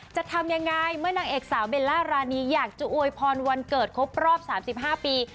จะทำยังไงเมื่อนางเอกสาวเบลล่ารานีอยากจะอวยพรวันเกิดครบรอบ๓๕ปี